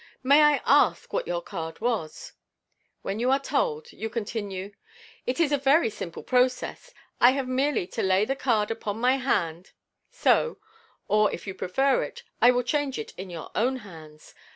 May I ask what your card was ?" When you are told, you continue, " It is a very simple process. I have merely to lay the card upon my hand, so, or if you prefer it, I will change it in your own hands.